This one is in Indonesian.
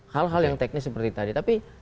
hal hal yang teknis seperti tadi tapi